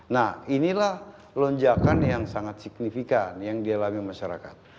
nah inilah lonjakan yang sangat signifikan yang dialami masyarakat